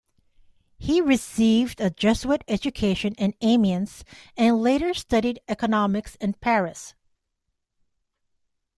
He received a Jesuit education in Amiens and later studied economics in Paris.